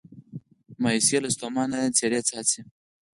مایوسي یې له ستومانه څیرې څاڅي